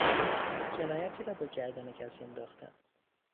جنایتی را به گردن کسی انداختن